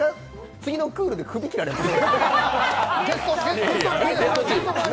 次のクールで首切られます？